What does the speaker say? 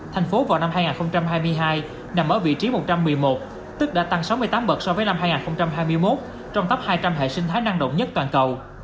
thành phố vào năm hai nghìn hai mươi hai nằm ở vị trí một trăm một mươi một tức đã tăng sáu mươi tám bậc so với năm hai nghìn hai mươi một trong top hai trăm linh hệ sinh thái năng động nhất toàn cầu